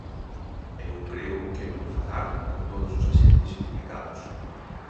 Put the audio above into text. Eu creo que non falaron con todos os axentes implicados.